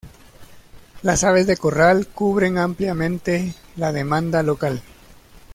Las aves de corral cubren ampliamente la demanda local.